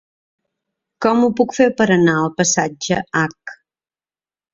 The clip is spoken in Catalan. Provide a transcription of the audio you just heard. Com ho puc fer per anar al passatge H?